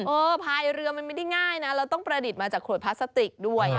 พายเรือมันไม่ได้ง่ายนะเราต้องประดิษฐ์มาจากขวดพลาสติกด้วย